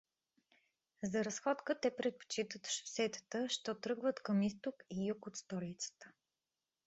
За разходка те предпочитат шосетата, що тръгват към изток и юг от столицата.